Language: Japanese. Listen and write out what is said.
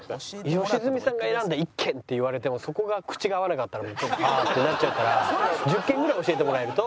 良純さんが選んだ１軒って言われてもそこが口が合わなかったら「ああ」ってなっちゃうから１０軒ぐらい教えてもらえると。